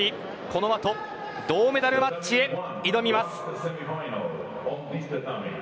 この後銅メダルマッチへ挑みます。